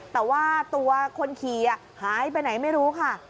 แต่ว่าตัวคนขี่หายไปไหนไม่รู้ค่ะ